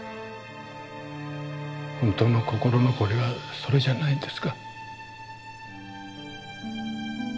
本当の心残りはそれじゃないんですか？